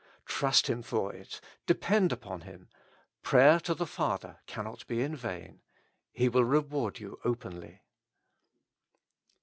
Trust Him for it ; depend upon Him ; prayer to the Father cannot be vain; He will reward you openly.